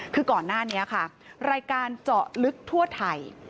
คือก่อนหน้านี้ค่ะรายการเจาะลึกทั่วไทย